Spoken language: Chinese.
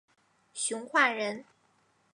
熊化人。